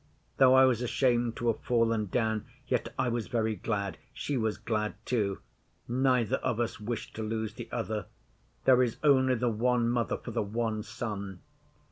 Though I was ashamed to have fallen down, yet I was very glad. She was glad too. Neither of us wished to lose the other. There is only the one Mother for the one son.